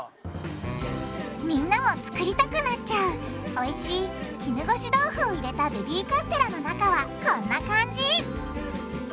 みんなも作りたくなっちゃうおいしい絹ごし豆腐を入れたベビーカステラの中はこんな感じ